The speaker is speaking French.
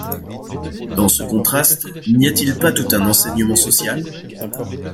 Dans ce contraste n’y a-t-il pas tout un enseignement social?